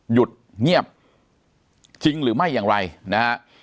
หยุดเงียบจริงหรือไม่อย่างไรนะฮะ